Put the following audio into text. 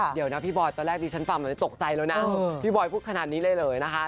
เดี๋ยวนะพี่บอยตอนแรกดิฉันฟังตกใจแล้วนะพี่บอยพูดขนาดนี้เลยนะคะ